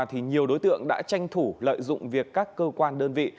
thì nhiều đối tượng đã tranh thủ lợi dụng việc các cơ quan đơn vị